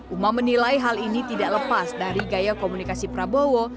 umam menilai hal ini tidak lepas dari gaya komunikasi prabowo